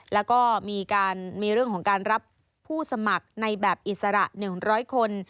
แล้วก็มีเรื่องของการรับผู้สมัครในแบบอิสระ๑๐๐คน